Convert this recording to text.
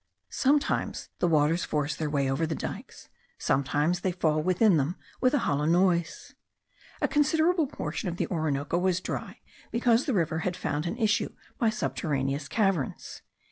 Sometimes the waters force their way over the dikes, sometimes they fall within them with a hollow noise. A considerable portion of the Orinoco was dry, because the river had found an issue by subterraneous caverns.